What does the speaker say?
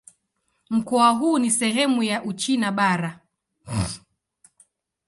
Mkoa huu ni sehemu ya Uchina Bara.